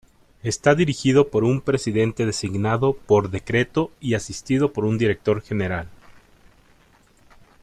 Está dirigido por un presidente designado por decreto y asistido por un director general.